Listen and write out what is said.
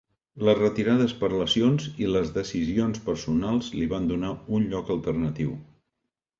Les retirades per lesions i les decisions personals li van donar un lloc alternatiu.